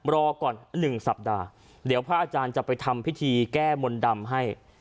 รอก่อน๑สัปดาห์เดี๋ยวพระอาจารย์จะไปทำพิธีแก้มนต์ดำให้